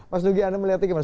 mas nugi anda melihatnya gimana